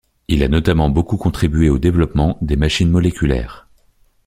Il a notamment beaucoup contribué au développement des machines moléculaires.